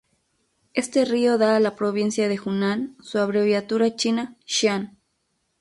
Este río da a la provincia de Hunan su abreviatura china: "Xiang".